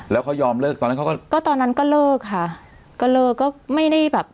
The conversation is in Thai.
แล้วเขายอมเลิกตอนนั้นเขาก็ตอนนั้นก็เลิกค่ะก็เลิกก็ไม่ได้แบบ